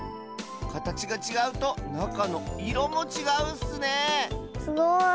かたちがちがうとなかのいろもちがうッスねえすごい。